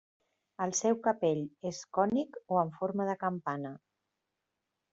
El seu capell és cònic o en forma de campana.